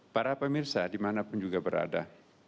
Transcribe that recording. para pemirsa dimanapun juga berada